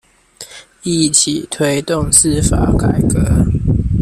一起推動司法改革